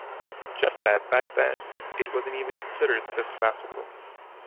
Just that back then, it wasn’t even considered this classical.